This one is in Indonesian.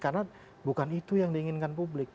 karena bukan itu yang diinginkan publik